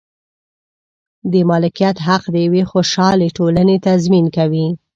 د مالکیت حق د یوې خوشحالې ټولنې تضمین کوي.